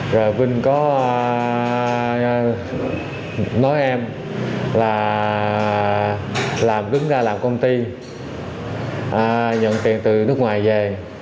rồi vinh có nói em là làm đứng ra làm công ty nhận tiền từ nước ngoài về